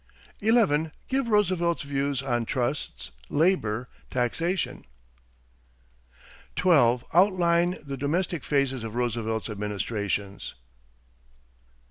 11. Give Roosevelt's views on trusts, labor, taxation. 12. Outline the domestic phases of Roosevelt's administrations.